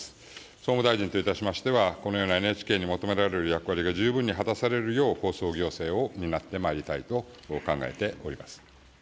総務大臣といたしましては、このようなＮＨＫに求められる役割が十分に果たされるよう、放送行政を担ってまいりたいと考えております。